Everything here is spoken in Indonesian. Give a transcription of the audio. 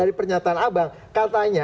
dari pernyataan abang katanya